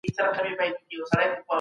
علم د انسان شخصیت لوړوي او وده ورکوي.